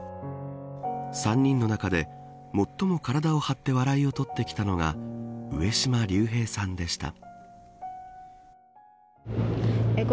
３人の中で、最も体を張って笑いをとってきたのが上島竜兵さんでした。